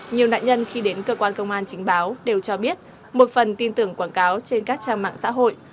nhiều nạn nhân khi đến cơ quan công an chính báo đều cho biết một phần tin tưởng quảng cáo trên các trang mạng xã hội